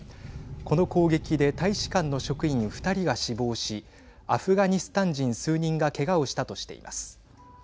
この攻撃で大使館の職員２人が死亡しアフガニスタン人、数人がけがをしたとしています。